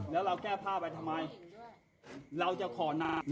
แล้วเราแก้ผ้าไปทำไม